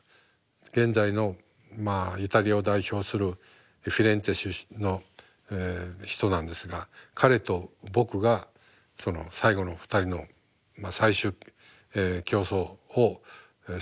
現在のイタリアを代表するフィレンツェ出身の人なんですが彼と僕がその最後の２人のまあ最終競争をすることになりました。